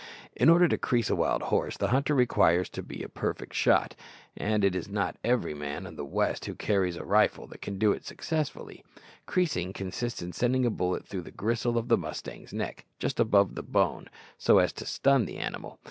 In order to crease a wild horse the hunter requires to be a perfect shot, and it is not every man of the west who carries a rifle that can do it successfully. Creasing consists in sending a bullet through the gristle of the mustang's neck, just above the bone, so as to stun the animal.